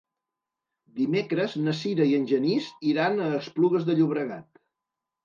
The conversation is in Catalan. Dimecres na Sira i en Genís iran a Esplugues de Llobregat.